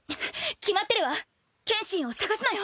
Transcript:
決まってるわ剣心を捜すのよ。